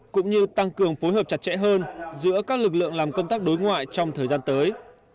cũng như tăng cường phối hợp chặt chẽ hơn giữa các lực lượng làm công tác đối ngoại trong thời gian tới